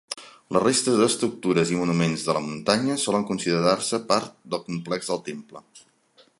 La resta d'estructures i monuments de la muntanya solen considerar-se part del complex del temple.